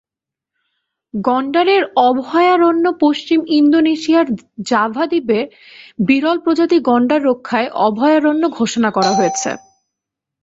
গন্ডারের অভয়ারণ্যপশ্চিম ইন্দোনেশিয়ার জাভা দ্বীপের বিরল প্রজাতির গন্ডার রক্ষায় অভয়ারণ্য ঘোষণা করা হয়েছে।